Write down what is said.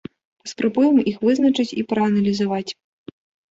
Паспрабуем іх вызначыць і прааналізаваць.